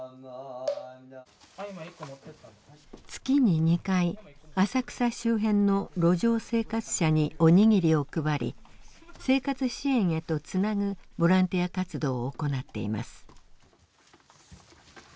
月に２回浅草周辺の路上生活者にお握りを配り生活支援へとつなぐボランティア活動を行っています。